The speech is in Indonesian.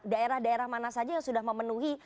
daerah daerah mana saja yang sudah memenuhi